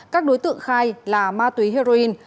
các đối tượng khai là ma túy heroin